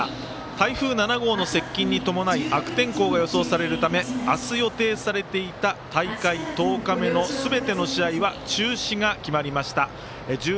台風７号の接近に伴い明日予定されて大会１０日目のすべての試合は中止が決まりました。